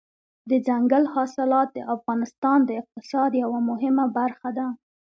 دځنګل حاصلات د افغانستان د اقتصاد یوه مهمه برخه ده.